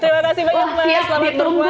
terima kasih banyak mbak selamat berpuasa